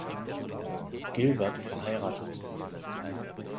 Gilbert verheiratet.